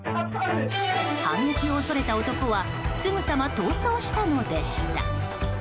反撃を恐れた男はすぐさま逃走したのでした。